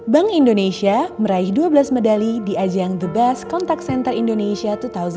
bank indonesia meraih dua belas medali di ajang the best contact center indonesia dua ribu delapan belas